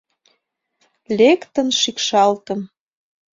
Лектын шикшалтым.